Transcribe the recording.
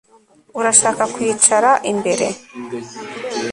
Urashaka kwicara imbere